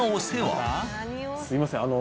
すいません。